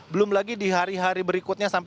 belum lagi di hari hari berikutnya